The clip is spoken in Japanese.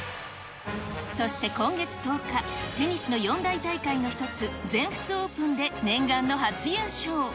そして今月１０日、テニスの四大大会の一つ、全仏オープンで念願の初優勝。